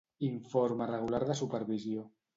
Informe regular de supervisió.